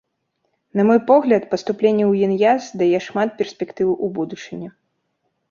На мой погляд, паступленне ў ін'яз дае шмат перспектыў у будучыні.